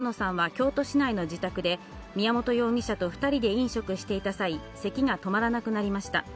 警察によりますと、浜野さんは京都市内の自宅で、宮本容疑者と２人で飲食していた際、せきが止まらなくなりました。